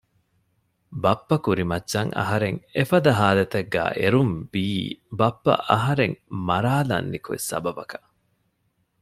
ބައްޕަ ކުރިމައްޗަށް އަހަރެން އެފަދަ ހާލަތެއްގައި އެރުންވީ ބައްޕަ އަހަރެން މަރާލަން ނިކުތް ސަބަބަކަށް